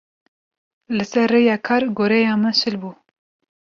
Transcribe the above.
Li ser rêya kar goreya min şil bû.